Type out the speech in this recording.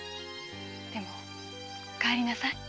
でも帰りなさい。